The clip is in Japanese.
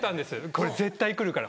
「これ絶対くるから。